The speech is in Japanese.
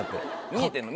見えてんの？